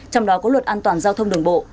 trong đó có luật an toàn giao thông đường bộ